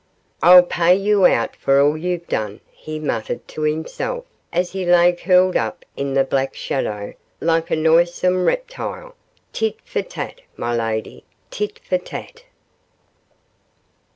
'I'll pay you out for all you've done,' he muttered to himself, as he lay curled up in the black shadow like a noisome reptile. 'Tit for tat, my lady! tit for tat!